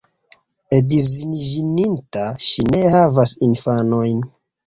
Edziniĝinta, ŝi ne havas infanojn.